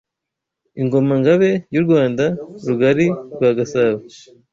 Ingoma–Ngabe y’u Rwanda rugari rwa Gasabo